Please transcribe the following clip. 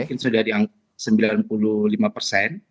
kita sudah menunggu yang sembilan puluh lima